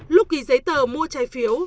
lúc ghi giấy tờ mua trái phiếu